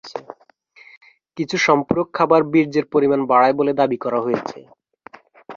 কিছু সম্পূরক খাবার বীর্যের পরিমাণ বাড়ায় বলে দাবি করা হয়েছে।